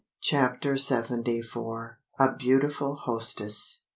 CHAPTER SEVENTY FOUR. A BEAUTIFUL HOSTESS.